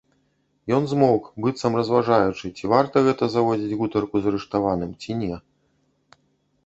Ён змоўк, быццам разважаючы, ці варта гэта завадзіць гутарку з арыштаваным, ці не.